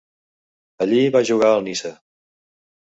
Allí va jugar al Niça.